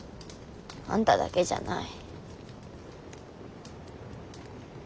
あんただけじゃない。